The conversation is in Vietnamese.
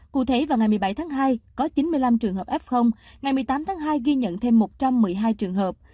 cụ thể vào ngày một mươi bảy tháng hai có chín mươi năm trường hợp f ngày một mươi tám tháng hai ghi nhận thêm một trăm một mươi hai trường hợp